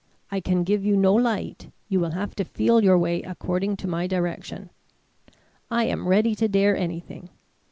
I can give you no light. You will have to feel your way according to my direction." "I am ready to dare anything."